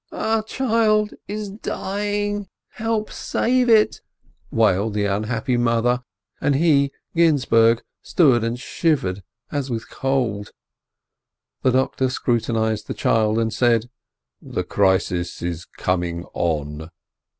"Our child is dying! Help save it!" wailed the unhappy mother, and he, Ginzburg, stood and shivered as with cold. The doctor scrutinized the child, and said: "The crisis is coming on."